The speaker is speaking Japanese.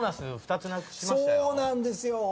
そうなんですよ。